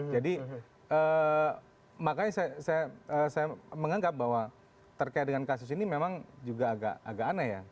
jadi makanya saya menganggap bahwa terkait dengan kasus ini memang juga agak aneh ya